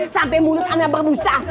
sampai mulut anda bermusak